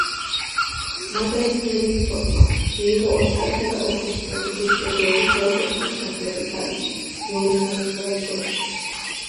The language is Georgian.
მარგარეტ რეზერფორდმა მიიღო ოსკარისა და ოქროს გლობუსის ჯილდოები საუკეთესო მსახიობი ქალისთვის მეორეხარისხოვან როლში.